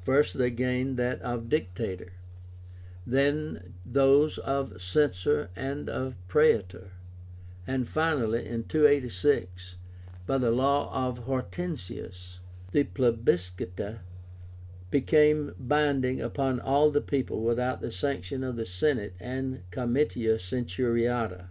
First they gained that of Dictator, then those of Censor and of Praetor, and finally, in 286, by the law of HORTENSIUS, the plebiscita became binding upon all the people without the sanction of the Senate and Comitia Centuriáta.